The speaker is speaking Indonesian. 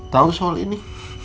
tau soal ini